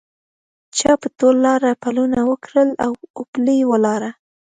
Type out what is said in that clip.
چا په ټول لاره پلونه وکرل اوپلي ولاړه